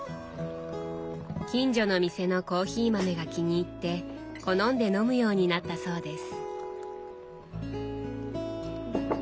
近所の店のコーヒー豆が気に入って好んで飲むようになったそうです。